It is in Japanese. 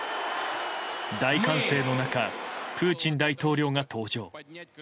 大歓声の中プーチン大統領が登場。